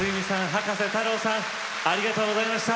葉加瀬太郎さんありがとうございました。